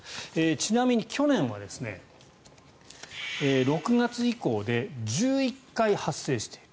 ちなみに去年は６月以降で１１回発生している。